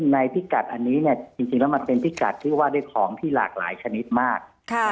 พิกัดอันนี้เนี่ยจริงแล้วมันเป็นพิกัดที่ว่าได้ของที่หลากหลายชนิดมาก